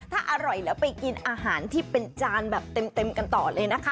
ถ้าอร่อยแล้วไปกินอาหารที่เป็นจานแบบเต็มกันต่อเลยนะคะ